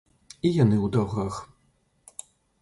І яны ў даўгах.